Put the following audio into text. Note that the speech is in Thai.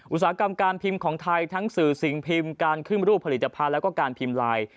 อุตสาหกรรมการพิมพ์ของไทยทั้งสื่อสิ่งพิมพ์การขึ้นรูปผลิตภัณฑ์แล้วก็การพิมพ์ไลน์